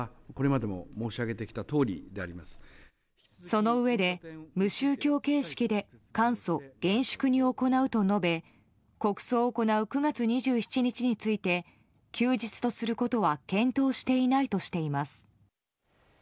そのうえで、無宗教形式で簡素、厳粛に行うと述べ国葬を行う９月２７日について休日とすることは検討していないとしています。